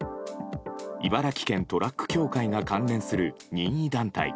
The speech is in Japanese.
茨城県トラック協会が関連する任意団体